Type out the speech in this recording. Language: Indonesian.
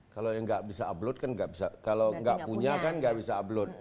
kalau tidak punya kan tidak bisa upload